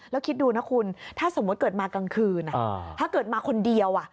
แล้วคิดดูนะคุณถ้าสมมุติเกิดมากลางคืนถ้าเกิดมาคนเดียว